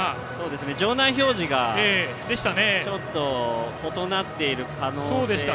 場内表示がちょっと異なっている可能性が。